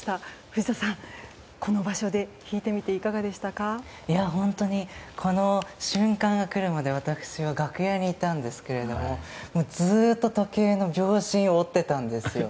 藤田さん、この場所で弾いてみてこの瞬間が来るまで私は楽屋にいたんですけどもずっと時計の秒針を追っていたんですよ。